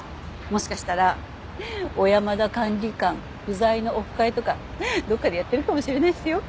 もしかしたら小山田管理官不在のオフ会とかどこかでやってるかもしれないですよ。